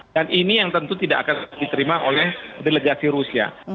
dan ini yang tentu tidak akan diterima oleh delegasi rusia